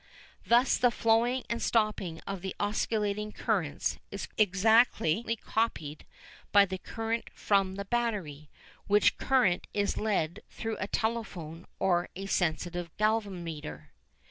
Thus the flowing and stopping of the oscillating currents is exactly copied by the current from the battery, which current is led through a telephone or a sensitive galvanometer.